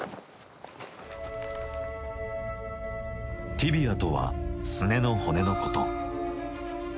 ティビアとはすねの骨のこと。